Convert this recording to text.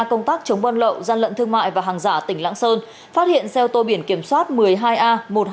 công tác chống buôn lậu gian lận thương mại và hàng giả tỉnh lạng sơn phát hiện xe ô tô biển kiểm soát một mươi hai a một mươi hai nghìn sáu trăm bảy mươi